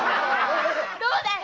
どうだい！